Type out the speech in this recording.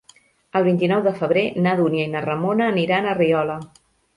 El vint-i-nou de febrer na Dúnia i na Ramona aniran a Riola.